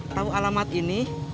tau alamat ini